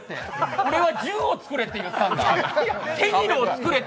俺は１０を作れって言ったんだ。